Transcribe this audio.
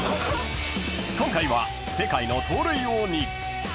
［今回は世界の盗塁王に］